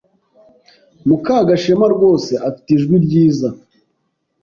Mukagashema rwose afite ijwi ryiza.